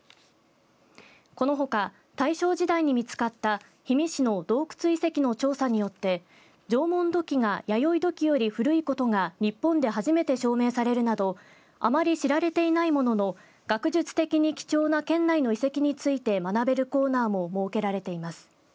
このほか大正時代に見つかった氷見市の洞窟遺跡の調査によって縄文土器が弥生土器より古いことが日本で初めて証明されるなどあまり知られていないものの学術的に貴重な県内の遺跡について学べるコーナーも設けられています。